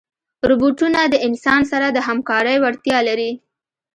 روبوټونه د انسان سره د همکارۍ وړتیا لري.